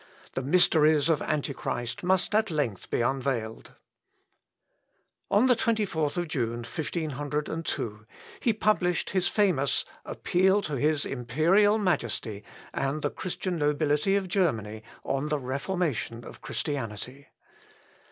The mysteries of Antichrist must at length be unveiled." On the 24th June, 1502, he published his famous '_Appeal to his Imperial Majesty, and the Christian Nobility of Germany, on the Reformation of Christianity.